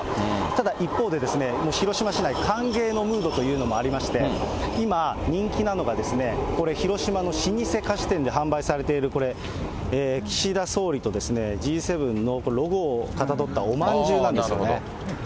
ただ、一方で、もう広島市内、歓迎のムードというのもありまして、今、人気なのが、これ、広島の老舗菓子店で販売されている、これ岸田総理とＧ７のロゴをかたどったおまんじゅうなんですよね。